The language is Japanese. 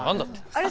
あれ？